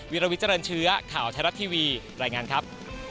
วิลวิเจริญเชื้อข่าวไทยรัฐทีวีรายงานครับ